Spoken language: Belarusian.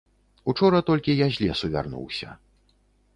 Учора толькі я з лесу вярнуўся.